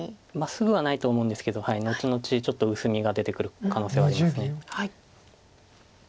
すぐはないと思うんですけど後々ちょっと薄みが出てくる可能性はあります。